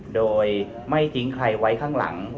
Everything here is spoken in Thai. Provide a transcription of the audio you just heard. โดยไม่ทิ้งใครไว้ข้างหลัง